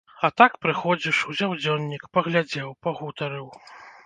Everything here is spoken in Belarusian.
А так, прыходзіш, узяў дзённік, паглядзеў, пагутарыў.